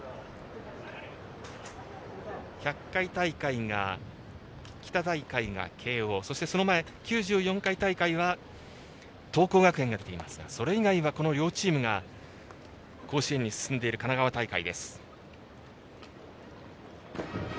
１００回大会が北大会が慶応そしてその前９４回大会は桐光学園が勝っていますがそれ以外はこの両チームが甲子園に進んでいる神奈川大会。